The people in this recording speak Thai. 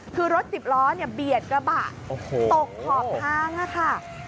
คือรถสิบล้อเนี่ยเบียดกระบะตกขอบทางค่ะ